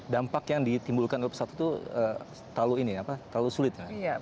dampak yang ditimbulkan oleh pesawat itu terlalu sulit